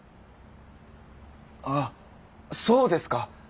あそうですか。